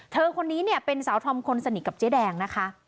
เธอคนนี้เป็นสาวธอมคนสนิทกับเจ๊แดงนะคะ